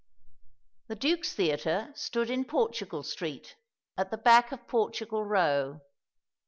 "The Duke's Theatre" stood in Portugal Street, at the back of Portugal Row.